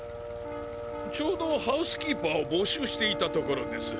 ちょうどハウスキーパーを募集していたところです。